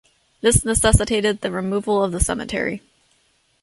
This necessitated the removal of the cemetery.